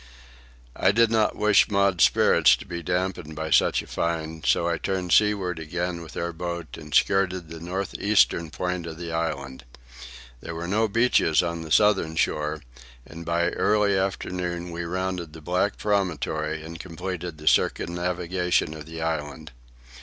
I did not wish Maud's spirits to be dampened by such a find, so I turned seaward again with our boat and skirted the north eastern point of the island. There were no beaches on the southern shore, and by early afternoon we rounded the black promontory and completed the circumnavigation of the island.